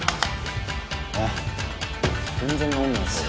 えっ全然直んないっすよ